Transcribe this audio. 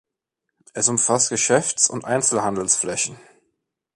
Es umfasst Geschäfts- und Einzelhandelsflächen.